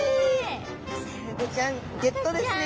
クサフグちゃんゲットですね。